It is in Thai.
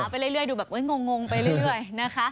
ไปเรื่อยดูแบบงงไปเรื่อยนะคะ